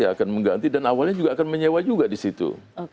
akan mengganti dan awalnya juga akan menyewa juga di situ